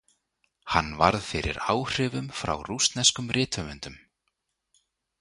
Hann varð fyrir áhrifum frá rússneskum rithöfundum.